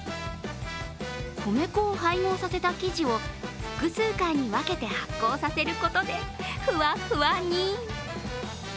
米粉を配合させた生地を複数回に分けて発酵させることでふわふわに。